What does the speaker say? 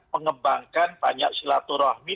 mengembangkan banyak silaturahmi